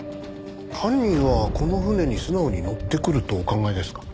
犯人はこの船に素直に乗ってくるとお考えですか？